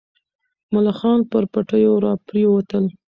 ملخان پر پټیو راپرېوتل.